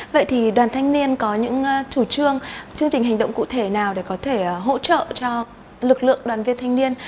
vậy thì đoàn thanh niên có những chủ trương chương trình hành động cụ thể nào để có thể hỗ trợ cho lực lượng đoàn viên thanh niên